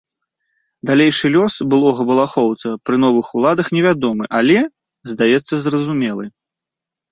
Далейшы лёс былога балахоўца пры новых уладах невядомы, але, здаецца, зразумелы.